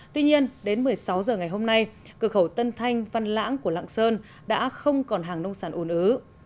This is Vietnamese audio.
tuy nhiên đến một mươi sáu h ngày hôm nay cửa khẩu tân thanh văn lãng của lạng sơn đã không còn hàng nông sản ồn ứ